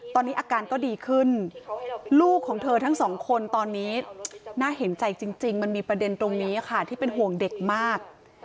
ตอนนี้อาการก็ดีขึ้นลูกของเธอทั้งสองคนตอนนี้น่าเห็นใจจริงมันมีประเด็นตรงนี้ค่ะที่เป็นห่วงเด็กมาก